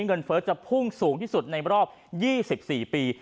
เงินเฟิร์สจะพุ่งสูงที่สุดในรอบ๒๔ปี